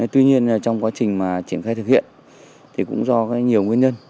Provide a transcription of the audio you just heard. tuy nhiên trong quá trình triển khai thực hiện thì cũng do nhiều nguyên nhân